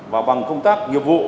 và bằng công tác nghiệp vụ